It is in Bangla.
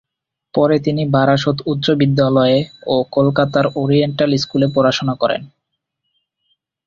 পরে তিনি বারাসত উচ্চ বিদ্যালয়ে ও কলকাতার ওরিয়েন্টাল স্কুলে পড়াশোনা করেন।